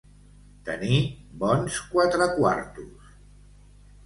Tenir bons quatre quartos.